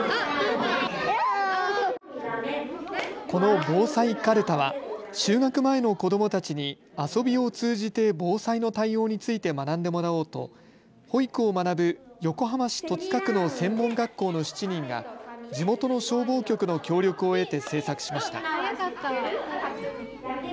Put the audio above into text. この防災かるたは就学前の子どもたちに遊びを通じて防災の対応について学んでもらおうと保育を学ぶ横浜市戸塚区の専門学校の７人が地元の消防局の協力を得て制作しました。